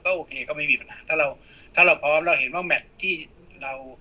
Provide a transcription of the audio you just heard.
โอเคก็ไม่มีปัญหาถ้าเราถ้าเราพร้อมเราเห็นว่าแมทที่เรา